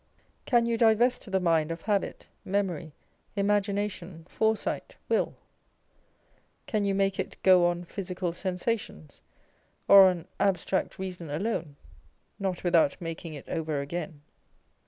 Can you divest the mind of habit, memory, imagination, foresight, will ? Can you make it go on physical sensations, or on abstract reason alone ? Not without making it over again.